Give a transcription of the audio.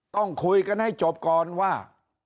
ต้องคุยกันให้จบก่อนว่า